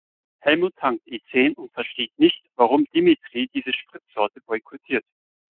Helmut tankt E-zehn und versteht nicht, warum Dimitri diese Spritsorte boykottiert.